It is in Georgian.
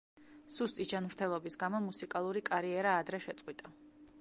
სუსტი ჯანმრთელობის გამო მუსიკალური კარიერა ადრე შეწყვიტა.